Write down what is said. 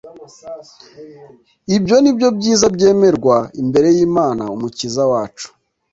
Ibyo ni byo byiza byemerwa imbere y’Imana Umukiza wacu,